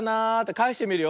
かえしてみるよ。